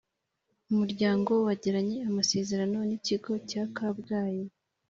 Umuryango wagiranye amasezerano n Ikigo cya Kabgayi